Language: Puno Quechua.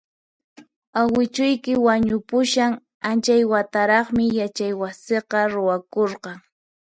Awichuyki wañupushan anchay wataraqmi yachaywasiqa ruwakurqan